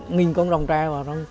nghìn con rồng tre vào